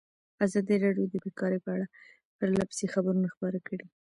ازادي راډیو د بیکاري په اړه پرله پسې خبرونه خپاره کړي.